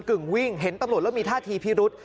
กึ่งวิ่งเห็นตำรวจแล้วมีท่าทีพิรุษ